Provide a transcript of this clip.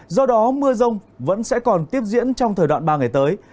do đó mưa rông vẫn sẽ còn tiếp diễn trong thời đoạn ba ngày tới